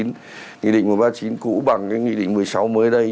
nghị định ba mươi chín cũ bằng cái nghị định một mươi sáu mới đây